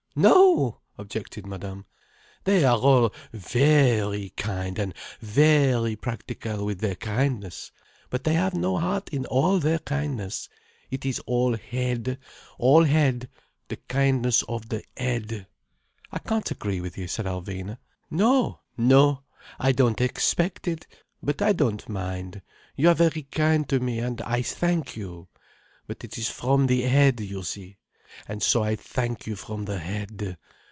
No!" objected Madame. "They are all ve ry kind, and ve ry practical with their kindness. But they have no heart in all their kindness. It is all head, all head: the kindness of the head." "I can't agree with you," said Alvina. "No. No. I don't expect it. But I don't mind. You are very kind to me, and I thank you. But it is from the head, you see. And so I thank you from the head.